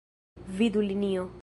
Vidu linio.